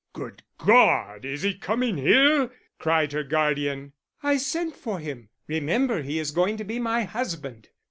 "Good God, is he coming here?" cried her guardian. "I sent for him. Remember he is going to be my husband."